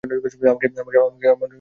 আমাকে ভুলভাবে নিও না।